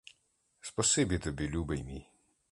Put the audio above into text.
Спасибі тобі, любий мій!